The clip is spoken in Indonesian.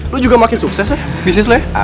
lo juga makin sukses ya bisnis lo ya